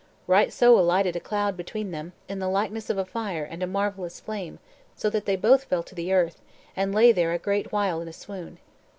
Right so alighted a cloud between them, in the likeness of a fire and a marvellous flame, so that they both fell to the earth, and lay there a great while in a swoon.